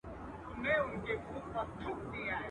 جګړو ډېر انسانان بېکوره کړل